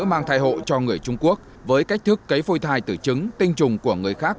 mang thai hộ cho người trung quốc với cách thức cấy phôi thai tử trứng tinh trùng của người khác